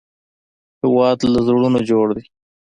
هېواد له زړونو جوړ دی